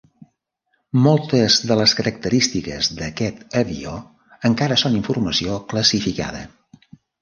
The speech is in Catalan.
Moltes de les característiques d'aquest avió encara són informació classificada.